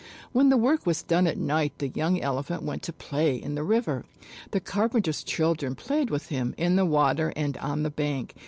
When the work was done at night the young Ele phant went to play in the river. The carpenters' chil dren played with him, in the water and on the bank.